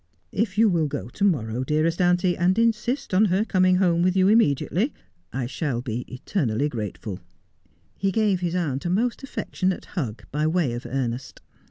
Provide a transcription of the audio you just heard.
If you will go to morrow, dearest auntie, and insist on her coming home with you immediately, I shall be eternally grate full.' He gave his aunt a most affectionate hug, by way of earnest.